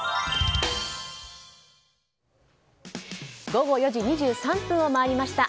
午後４時２３分を回りました。